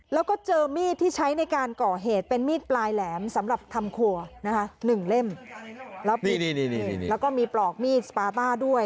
แล้วก็เจอมีดที่ใช้ในการก่อเหตุเป็นมีดปลายแหลมสำหรับทำครัวนะคะหนึ่งเล่มแล้วนี่นี่แล้วก็มีปลอกมีดสปาต้าด้วย